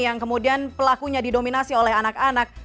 yang kemudian pelakunya didominasi oleh anak anak